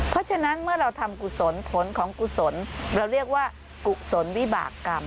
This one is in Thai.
เพราะฉะนั้นเมื่อเราทำกุศลผลของกุศลเราเรียกว่ากุศลวิบากรรม